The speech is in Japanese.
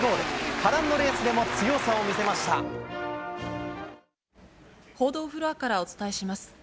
波乱のレースでも強さを見せまし報道フロアからお伝えします。